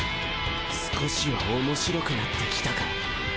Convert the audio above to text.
少しはおもしろくなってきたか？